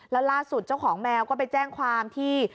แล้วล่าสุดเจ้าของแมวก็ไปแจ้งความที่